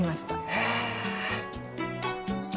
へえ。